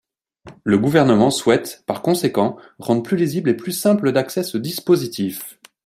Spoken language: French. Le Gouvernement souhaite, par conséquent, rendre plus lisible et plus simple d’accès ce dispositif.